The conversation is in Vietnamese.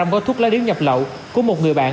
có thuốc lá điếu nhập lậu của một người bạn